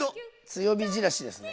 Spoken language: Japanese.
強火じらしですね。